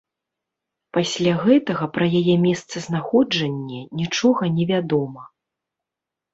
Пасля гэтага пра яе месцазнаходжанне нічога не вядома.